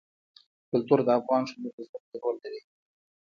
کلتور د افغان ښځو په ژوند کې رول لري.